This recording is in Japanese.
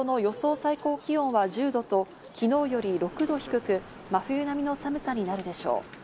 最高気温は１０度と昨日より６度低く、真冬並みの寒さになるでしょう。